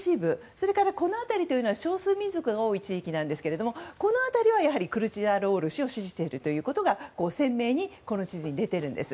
そして、この辺りは少数民族が多い地域なんですがこの辺りではやはりクルチダルオール氏を支持していることが鮮明にこの地図に出ているんです。